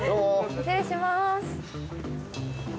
失礼します。